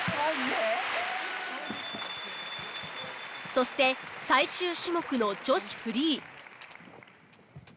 そして最終種目の女子フリー。